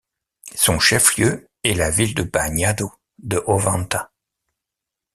Son chef-lieu est la ville de Bañado de Ovanta.